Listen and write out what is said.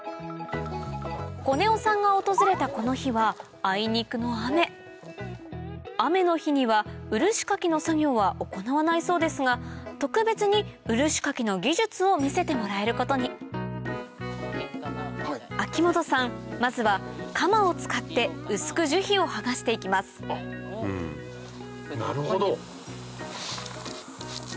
コネオさんが訪れたこの日はあいにくの雨雨の日には漆掻きの作業は行わないそうですが特別に漆掻きの技術を見せてもらえることに秋本さんまずは鎌を使って薄く樹皮を剥がして行きますなるほど。